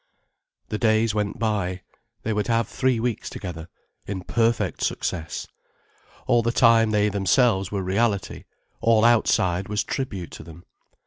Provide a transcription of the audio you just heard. The days went by—they were to have three weeks together—in perfect success. All the time, they themselves were reality, all outside was tribute to them.